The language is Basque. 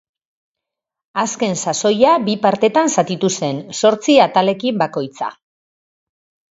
Azken sasoia bi partetan zatitu zen, zortzi atalekin bakoitza.